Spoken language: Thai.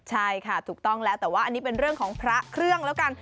ใช่ค่ะถูกต้องแล้วแต่ว่าอันนี้เป็นเรื่องของพระเครื่องแล้วกัน